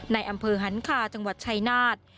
ในอำเภอหันคาจังหวัดชายนาฏ